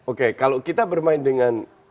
oke kalau kita bermain dengan